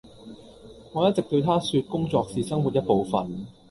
我一直對她說工作是生活一部分